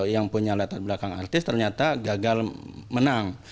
yang punya latar belakang artis ternyata gagal menang